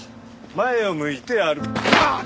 前を向いて歩あっ！